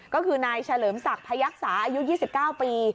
ก็คือนายเฉลิมศักดิ์พยักษาอายุ๒๙ปี